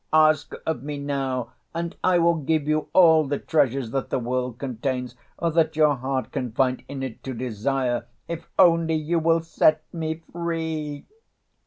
Ask of me now, and I will give you all the treasures that the world contains, or that your heart can find in it to desire, if only you will set me free!"